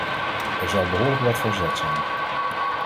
Er zal behoorlijk wat verzet zijn.